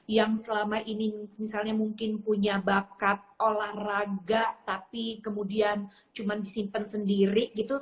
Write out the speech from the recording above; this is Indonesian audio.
yang selama ini misalnya mungkin punya bakat olahraga tapi kemudian cuma disimpan sendiri gitu